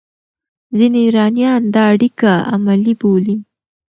ځینې ایرانیان دا اړیکه عملي بولي.